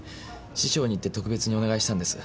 師匠に言って特別にお願いしたんです。